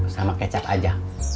sama kecap aja